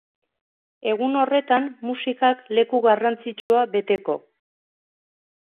Egun horretan musikak leku garrantzitsua beteko.